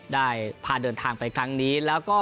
ได้พาเดินทางไปครั้งนี้